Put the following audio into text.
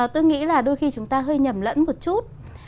tôi nghĩ là đôi khi chúng ta hơi nhầm lẫn một chút